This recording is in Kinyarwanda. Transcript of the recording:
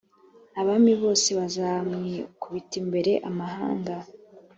abami bose bazamwikubita imbere amahanga